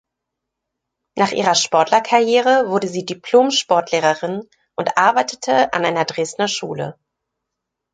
Nach ihrer Sportlerkarriere wurde sie Diplom-Sportlehrerin und arbeitete an einer Dresdner Schule.